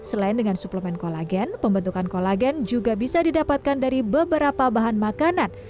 selain dengan suplemen kolagen pembentukan kolagen juga bisa didapatkan dari beberapa bahan makanan